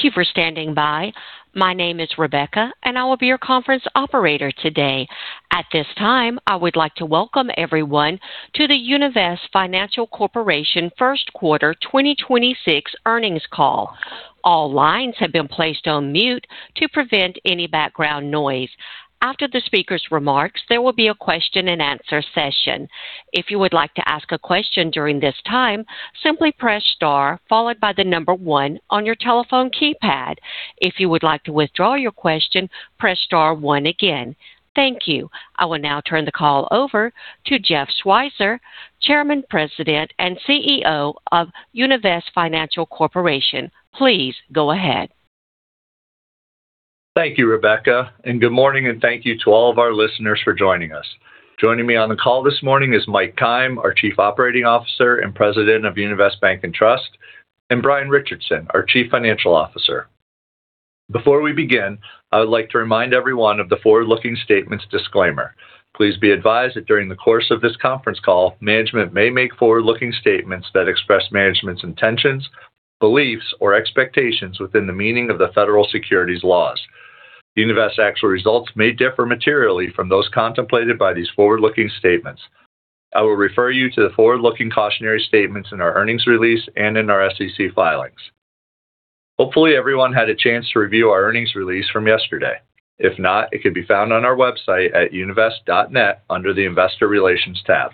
Thank you for standing by. My name is Rebecca, and I will be your conference operator today. At this time, I would like to welcome everyone to the Univest Financial Corporation First Quarter 2026 Earnings Call. All lines have been placed on mute to prevent any background noise. After the speaker's remarks, there will be a question and answer session. If you would like to ask a question during this time, simply press star followed by the number one on your telephone keypad. If you would like to withdraw your question, press star one again. Thank you. I will now turn the call over to Jeff Schweitzer, Chairman, President, and CEO of Univest Financial Corporation. Please go ahead. Thank you, Rebecca, and good morning, and thank you to all of our listeners for joining us. Joining me on the call this morning is Mike Keim, our Chief Operating Officer and President of Univest Bank and Trust, and Brian Richardson, our Chief Financial Officer. Before we begin, I would like to remind everyone of the forward-looking statements disclaimer. Please be advised that during the course of this conference call, management may make forward-looking statements that express management's intentions, beliefs, or expectations within the meaning of the federal securities laws. Univest's actual results may differ materially from those contemplated by these forward-looking statements. I will refer you to the forward-looking cautionary statements in our earnings release and in our SEC filings. Hopefully, everyone had a chance to review our earnings release from yesterday. If not, it can be found on our website at univest.net under the investor relations tab.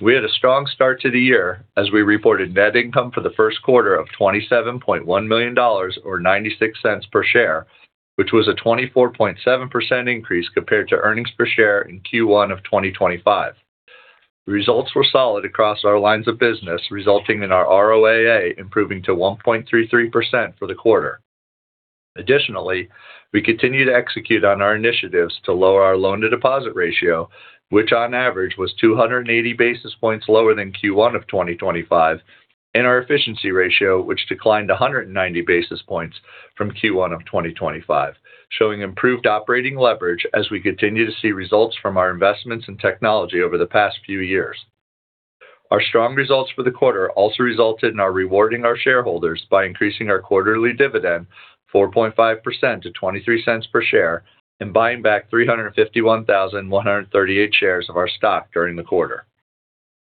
We had a strong start to the year as we reported net income for the first quarter of $27.1 million, or $0.96 per share, which was a 24.7% increase compared to earnings per share in Q1 of 2025. The results were solid across our lines of business, resulting in our ROAA improving to 1.33% for the quarter. Additionally, we continue to execute on our initiatives to lower our loan-to-deposit ratio, which on average was 280 basis points lower than Q1 of 2025, and our efficiency ratio, which declined 190 basis points from Q1 of 2025, showing improved operating leverage as we continue to see results from our investments in technology over the past few years. Our strong results for the quarter also resulted in our rewarding our shareholders by increasing our quarterly dividend 4.5% to $0.23 per share and buying back 351,138 shares of our stock during the quarter.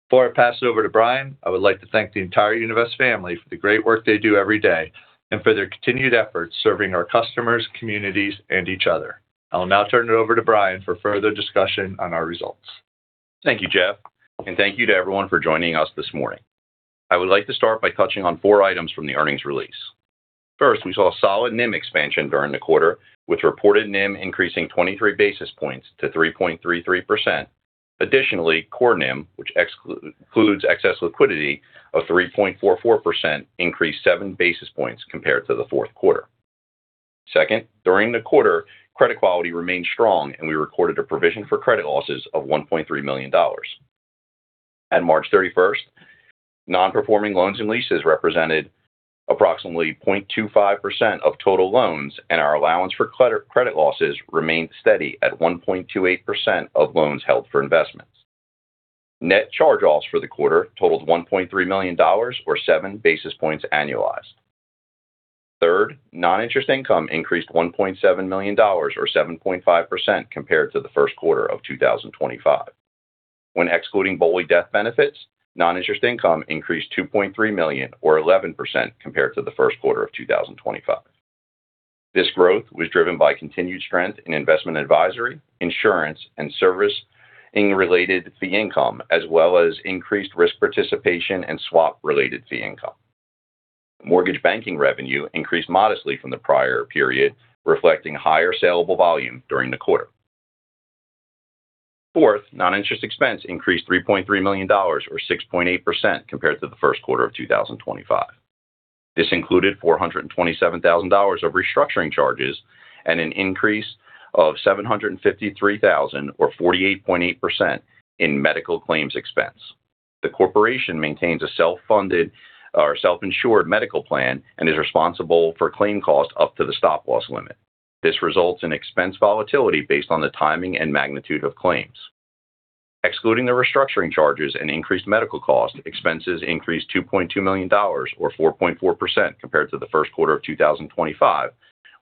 Before I pass it over to Brian, I would like to thank the entire Univest family for the great work they do every day and for their continued efforts serving our customers, communities, and each other. I'll now turn it over to Brian for further discussion on our results. Thank you, Jeff, and thank you to everyone for joining us this morning. I would like to start by touching on four items from the earnings release. First, we saw a solid NIM expansion during the quarter, with reported NIM increasing 23 basis points to 3.33%. Additionally, core NIM, which excludes excess liquidity of 3.44%, increased seven basis points compared to the fourth quarter. Second, during the quarter, credit quality remained strong, and we recorded a provision for credit losses of $1.3 million. At March 31st, non-performing loans and leases represented approximately 0.25% of total loans, and our allowance for credit losses remained steady at 1.28% of loans held for investments. Net charge-offs for the quarter totaled $1.3 million or seven basis points annualized. Third, non-interest income increased $1.7 million, or 7.5%, compared to the first quarter of 2025. When excluding BOLI death benefits, non-interest income increased to $2.3 million or 11% compared to the first quarter of 2025. This growth was driven by continued strength in investment advisory, insurance, and servicing-related fee income, as well as increased risk participation and swap-related fee income. Mortgage banking revenue increased modestly from the prior period, reflecting higher saleable volume during the quarter. Fourth, non-interest expense increased $3.3 million, or 6.8%, compared to the first quarter of 2025. This included $427,000 of restructuring charges and an increase of $753,000, or 48.8%, in medical claims expense. The corporation maintains a self-funded or self-insured medical plan and is responsible for claim costs up to the stop loss limit. This results in expense volatility based on the timing and magnitude of claims. Excluding the restructuring charges and increased medical cost, expenses increased $2.2 million or 4.4% compared to the first quarter of 2025,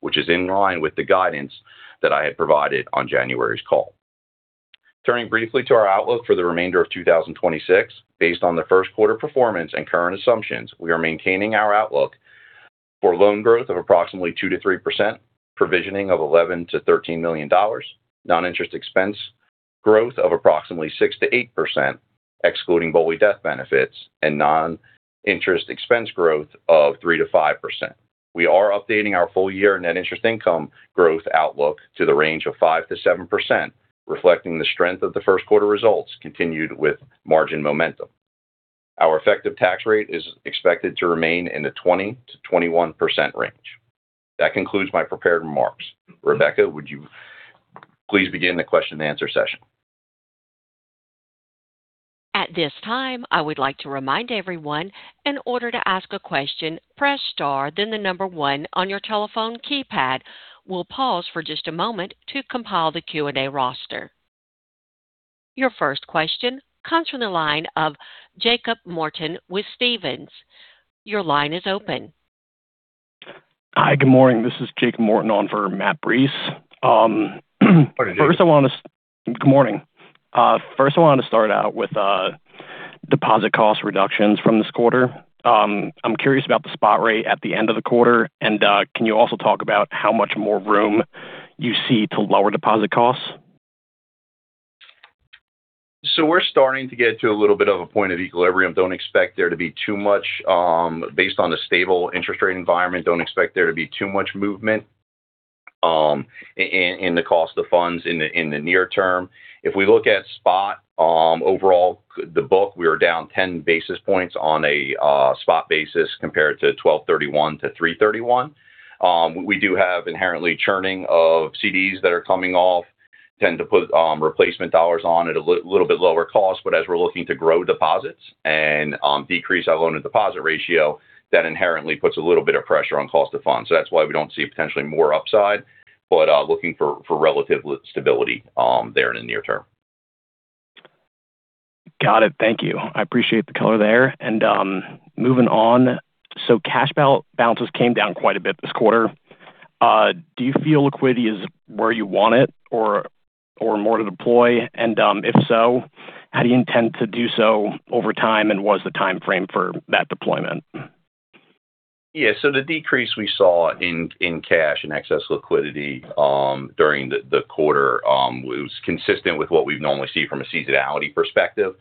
which is in line with the guidance that I had provided on January's call. Turning briefly to our outlook for the remainder of 2026, based on the first quarter performance and current assumptions, we are maintaining our outlook for loan growth of approximately 2%-3%, provisioning of $11 million-$13 million, non-interest expense growth of approximately 6%-8%, excluding BOLI death benefits, and non-interest expense growth of 3%-5%. We are updating our full year net interest income growth outlook to the range of 5%-7%, reflecting the strength of the first quarter results continued with margin momentum. Our effective tax rate is expected to remain in the 20%-21% range. That concludes my prepared remarks. Rebecca, would you please begin the question and answer session? At this time, I would like to remind everyone, in order to ask a question, press star, then the number one on your telephone keypad. We'll pause for just a moment to compile the Q&A roster. Your first question comes from the line of Jacob Morton with Stephens. Your line is open. Hi, good morning. This is Jacob Morton on for Matthew Breese. Morning, Jacob. Good morning. First I wanted to start out with deposit cost reductions from this quarter. I'm curious about the spot rate at the end of the quarter, and can you also talk about how much more room you see to lower deposit costs? We're starting to get to a little bit of a point of equilibrium. Based on the stable interest rate environment, don't expect there to be too much movement in the cost of funds in the near term. If we look at spot, overall, the book, we are down 10 basis points on a spot basis compared to 12/31 to 3/31. We do have inherently churning of CDs that are coming off, tend to put replacement dollars on at a little bit lower cost. But as we're looking to grow deposits and decrease our loan-to-deposit ratio, that inherently puts a little bit of pressure on cost of funds. That's why we don't see potentially more upside, but looking for relative stability there in the near term. Got it. Thank you. I appreciate the color there. Moving on. Cash balances came down quite a bit this quarter. Do you feel liquidity is where you want it or more to deploy? If so, how do you intend to do so over time, and what is the timeframe for that deployment? Yeah. The decrease we saw in cash and excess liquidity during the quarter was consistent with what we'd normally see from a seasonality perspective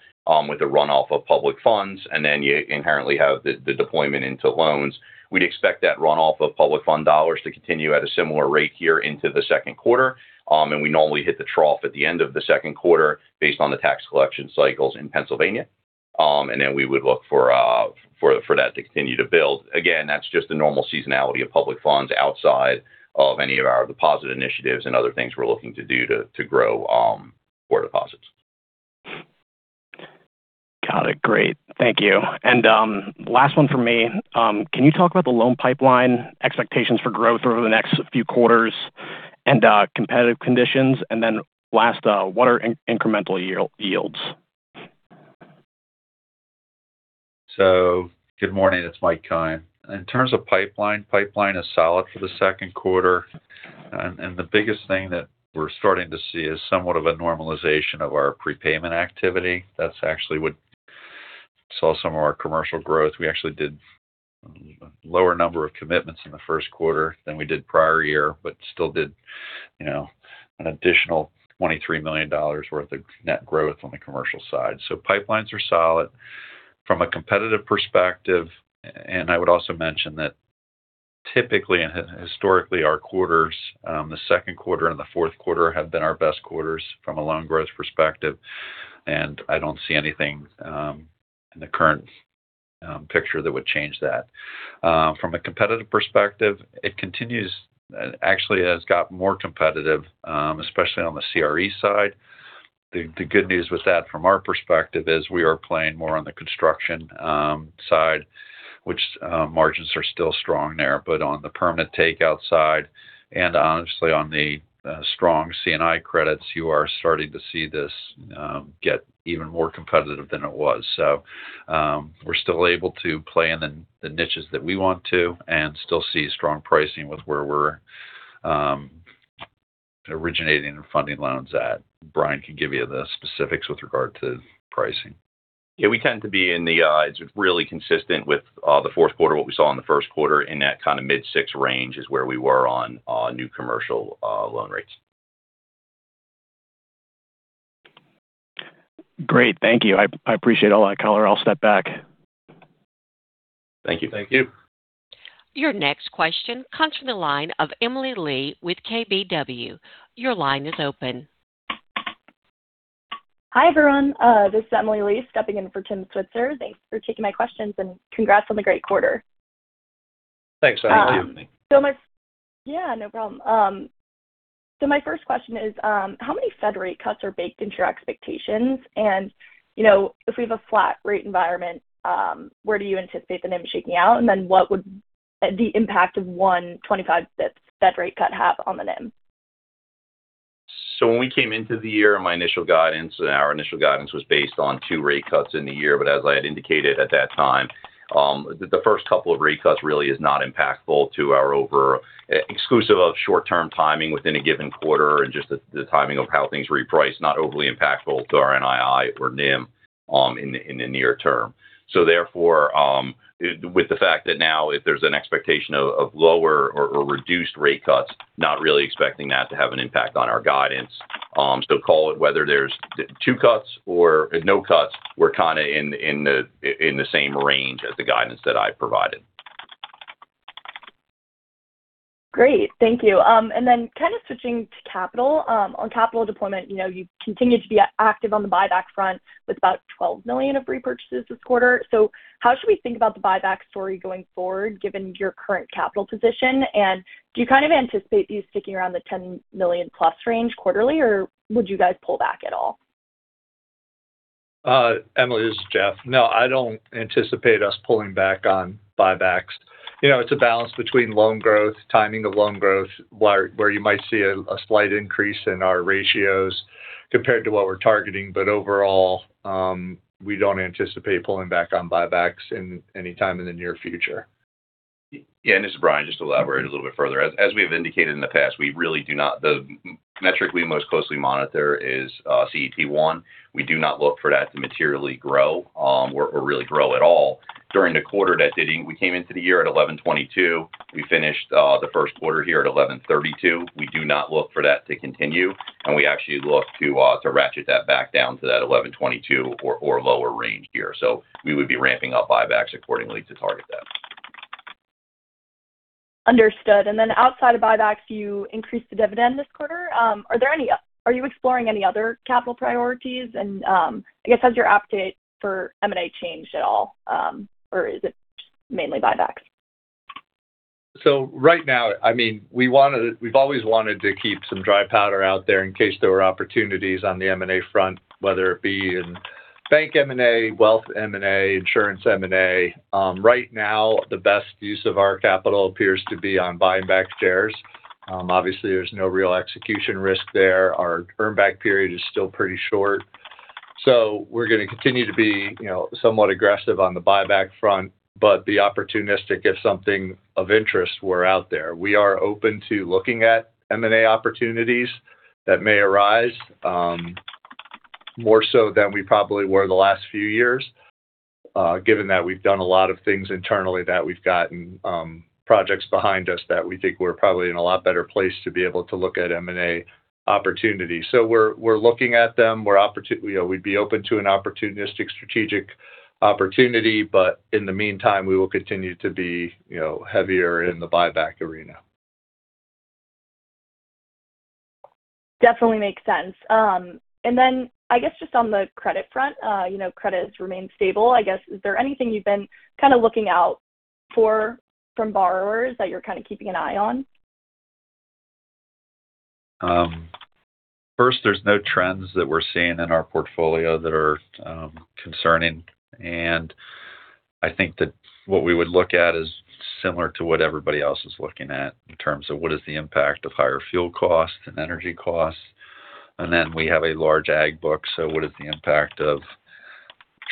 with the runoff of public funds, and then you inherently have the deployment into loans. We'd expect that runoff of public fund dollars to continue at a similar rate here into the second quarter. We normally hit the trough at the end of the second quarter based on the tax collection cycles in Pennsylvania. Then we would look for that to continue to build. Again, that's just the normal seasonality of public funds outside of any of our deposit initiatives and other things we're looking to do to grow core deposits. Got it. Great. Thank you. Last one from me. Can you talk about the loan pipeline expectations for growth over the next few quarters and competitive conditions? Then last, what are incremental yields? Good morning. It's Mike Keim. In terms of pipeline is solid for the second quarter. The biggest thing that we're starting to see is somewhat of a normalization of our prepayment activity. That's actually what saw some of our commercial growth. We actually did a lower number of commitments in the first quarter than we did prior year, but still did an additional $23 million worth of net growth on the commercial side. Pipelines are solid from a competitive perspective. I would also mention that typically and historically, our quarters, the second quarter and the fourth quarter have been our best quarters from a loan growth perspective, and I don't see anything in the current picture that would change that. From a competitive perspective, it continues. Actually, it has got more competitive, especially on the CRE side. The good news with that from our perspective is we are playing more on the construction side, which margins are still strong there. On the permanent takeout side and honestly on the strong C&I credits, you are starting to see this get even more competitive than it was. We're still able to play in the niches that we want to and still see strong pricing with where we're originating or funding loans at. Brian can give you the specifics with regard to pricing. Yeah. It's really consistent with the fourth quarter. What we saw in the first quarter in that kind of mid-6% range is where we were on new commercial loan rates. Great. Thank you. I appreciate all that color. I'll step back. Thank you. Thank you. Your next question comes from the line of Emily Lee with KBW. Your line is open. Hi, everyone. This is Emily Lee stepping in for Timothy Switzer. Thanks for taking my questions and congrats on the great quarter. Thanks. Thank you for having me. Yeah, no problem. My first question is how many Fed rate cuts are baked into your expectations? And if we have a flat rate environment, where do you anticipate the NIM shaking out? And then what would the impact of 125 basis point Fed rate cut have on the NIM? When we came into the year, my initial guidance and our initial guidance was based on 2 rate cuts in the year. As I had indicated at that time, the first couple of rate cuts really is exclusive of short-term timing within a given quarter and just the timing of how things reprice, not overly impactful to our NII or NIM in the near term. With the fact that now if there's an expectation of lower or reduced rate cuts, not really expecting that to have an impact on our guidance. Call it whether there's 2 cuts or no cuts, we're kind of in the same range as the guidance that I provided. Great. Thank you. Kind of switching to capital. On capital deployment, you've continued to be active on the buyback front with about $12 million of repurchases this quarter. How should we think about the buyback story going forward given your current capital position? Do you kind of anticipate you sticking around the $10 million-plus range quarterly, or would you guys pull back at all? Emily, this is Jeff. No, I don't anticipate us pulling back on buybacks. It's a balance between loan growth, timing of loan growth, where you might see a slight increase in our ratios compared to what we're targeting. Overall, we don't anticipate pulling back on buybacks any time in the near future. Yeah, this is Brian. Just to elaborate a little bit further. As we have indicated in the past, the metric we most closely monitor is CET1. We do not look for that to materially grow or really grow at all during the quarter. We came into the year at 11.22%. We finished the first quarter here at 11.32%. We do not look for that to continue, and we actually look to ratchet that back down to that 11.22% or lower range here. We would be ramping up buybacks accordingly to target that. Understood. Outside of buybacks, you increased the dividend this quarter. Are you exploring any other capital priorities? I guess, has your update for M&A changed at all? Is it mainly buybacks? Right now, we've always wanted to keep some dry powder out there in case there were opportunities on the M&A front, whether it be in bank M&A, wealth M&A, insurance M&A. Right now, the best use of our capital appears to be on buying back shares. Obviously, there's no real execution risk there. Our earn back period is still pretty short. We're going to continue to be somewhat aggressive on the buyback front, but be opportunistic if something of interest were out there. We are open to looking at M&A opportunities that may arise, more so than we probably were the last few years. Given that we've done a lot of things internally, that we've gotten projects behind us that we think we're probably in a lot better place to be able to look at M&A opportunities. We're looking at them. We'd be open to an opportunistic strategic opportunity. In the meantime, we will continue to be heavier in the buyback arena. Definitely makes sense. I guess just on the credit front. Credit has remained stable. I guess, is there anything you've been kind of looking out for from borrowers that you're kind of keeping an eye on? First, there's no trends that we're seeing in our portfolio that are concerning. I think that what we would look at is similar to what everybody else is looking at in terms of what is the impact of higher fuel costs and energy costs. Then we have a large ag book, so what is the impact of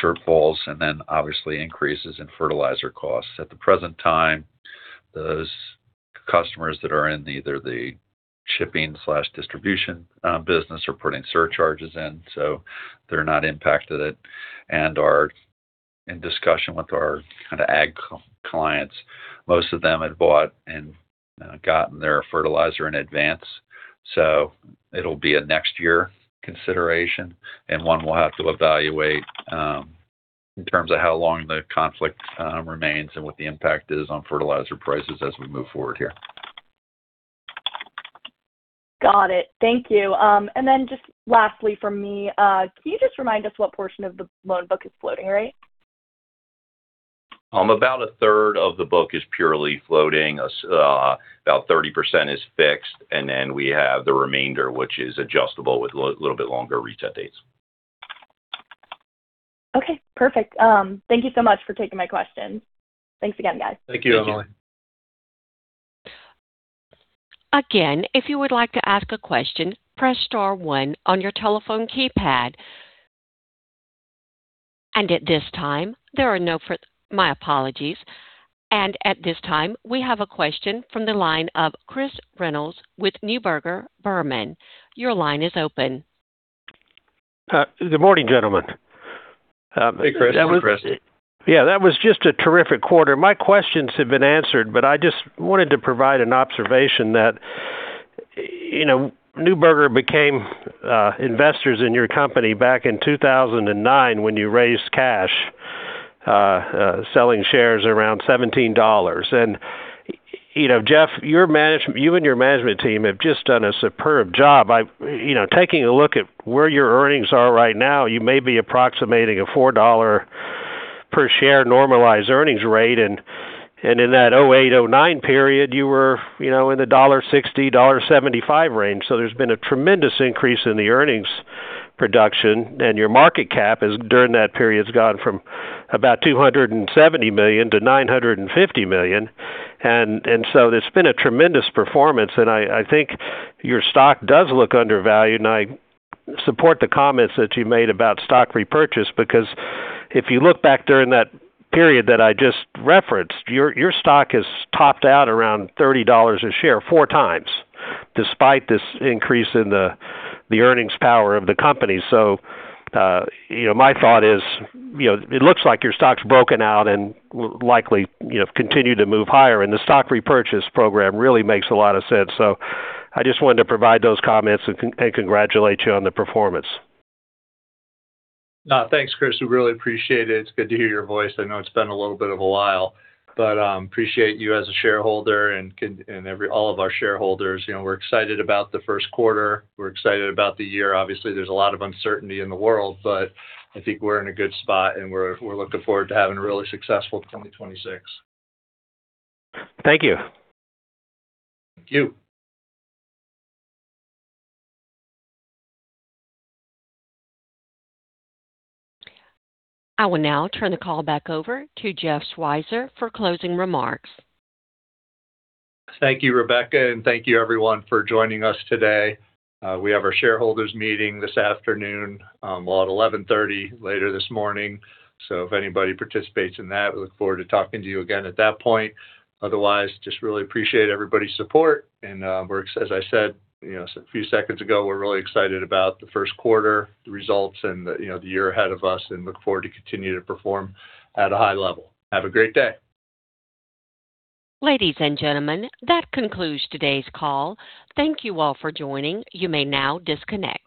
shortfalls and then obviously increases in fertilizer costs. At the present time, those customers that are in either the shipping/distribution business are putting surcharges in, so they're not impacted. We are in discussion with our kind of ag clients. Most of them had bought and gotten their fertilizer in advance. It'll be a next year consideration, and one we'll have to evaluate in terms of how long the conflict remains and what the impact is on fertilizer prices as we move forward here. Got it. Thank you. Just lastly from me, can you just remind us what portion of the loan book is floating rate? About a third of the book is purely floating. About 30% is fixed. We have the remainder, which is adjustable with little bit longer reset dates. Okay, perfect. Thank you so much for taking my questions. Thanks again, guys. Thank you, Emily. Again, if you would like to ask a question, press star one on your telephone keypad. At this time, we have a question from the line of Chris Reynolds with Neuberger Berman. Your line is open. Good morning, gentlemen. Hey, Chris. Hey, Chris. Yeah, that was just a terrific quarter. My questions have been answered, but I just wanted to provide an observation that Neuberger became investors in your company back in 2009 when you raised cash selling shares around $17. Jeff, you and your management team have just done a superb job. Taking a look at where your earnings are right now, you may be approximating a $4 per share normalized earnings rate. In that 2008, 2009 period, you were in the $1.60-$1.75 range. There's been a tremendous increase in the earnings production. Your market cap during that period has gone from about $270 million-$950 million. There's been a tremendous performance, and I think your stock does look undervalued. I support the comments that you made about stock repurchase because if you look back during that period that I just referenced, your stock has topped out around $30 a share four times despite this increase in the earnings power of the company. My thought is it looks like your stock's broken out and likely continue to move higher. The stock repurchase program really makes a lot of sense. I just wanted to provide those comments and congratulate you on the performance. Thanks, Chris. We really appreciate it. It's good to hear your voice. I know it's been a little bit of a while. Appreciate you as a shareholder and all of our shareholders. We're excited about the first quarter. We're excited about the year. Obviously, there's a lot of uncertainty in the world, but I think we're in a good spot, and we're looking forward to having a really successful 2026. Thank you. Thank you. I will now turn the call back over to Jeff Schweitzer for closing remarks. Thank you, Rebecca. Thank you everyone for joining us today. We have our shareholders meeting this afternoon, well, at 11:30 A.M., later this morning. If anybody participates in that, we look forward to talking to you again at that point. Otherwise, we just really appreciate everybody's support. As I said a few seconds ago, we're really excited about the first quarter, the results, and the year ahead of us, and look forward to continue to perform at a high level. Have a great day. Ladies and gentlemen, that concludes today's call. Thank you all for joining. You may now disconnect.